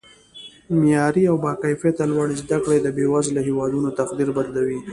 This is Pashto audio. معیاري او با کیفته لوړې زده کړې د بیوزله هیوادونو تقدیر بدلوي